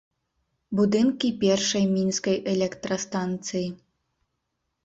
Будынкі першай мінскай электрастанцыі.